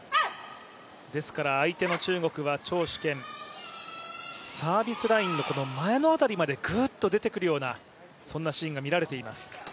相手の中国は張殊賢、サービスラインの前のあたりまでぐっと出てくるようなそんなシーンが見られています。